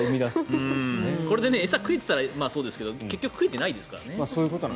これで餌を食えていたらまあ、そうですけど結局食えていないからですからね。